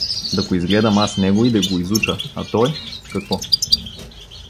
Да го изгледам аз него и да го изуча, а той… Какво?